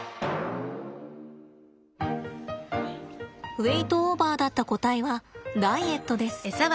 ウエイトオーバーだった個体はダイエットです。